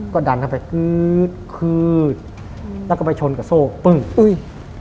ก็ดันเข้าไปกื๊ดคืดแล้วก็ไปชนกับโซ่ปึ้งปุ้ย